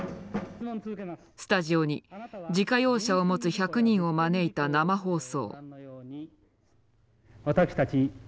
スタジオに自家用車を持つ１００人を招いた生放送。